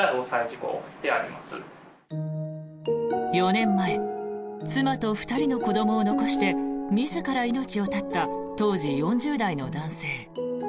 ４年前妻と２人の子どもを残して自ら命を絶った当時４０代の男性。